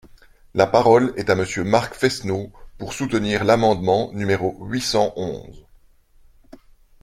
La parole est à Monsieur Marc Fesneau, pour soutenir l’amendement numéro huit cent onze.